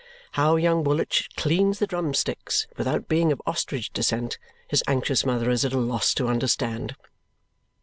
How young Woolwich cleans the drum sticks without being of ostrich descent, his anxious mother is at a loss to understand.